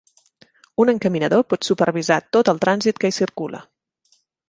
Un encaminador pot supervisar tot el trànsit que hi circula.